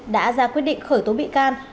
đã ra quyết định khởi tố bị can